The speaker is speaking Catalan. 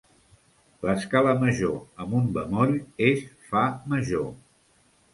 L'escala major amb un bemoll és Fa major.